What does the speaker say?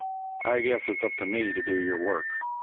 I guess it's up to me to do your work."